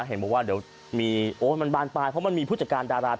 เห็นบอกว่าเดี๋ยวมีโอ๊ยมันบานปลายเพราะมันมีผู้จัดการดารา